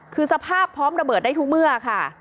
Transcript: คือสภาพพร้อมระเบิดได้ทุกเมื่อค่ะ